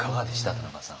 田中さん。